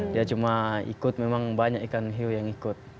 dia cuma ikut memang banyak ikan hiu yang ikut